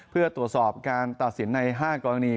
เพื่อตรวจสอบการตัดสินใน๕กรณี